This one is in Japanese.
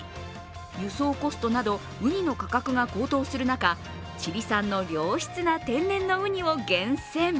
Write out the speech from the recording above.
輸送コストなどうにの価格が高騰する中、チリ産の良質な天然のうにを厳選。